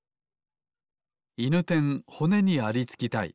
いぬてんほねにありつきたい。